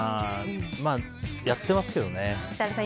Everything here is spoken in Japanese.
やってますけどね。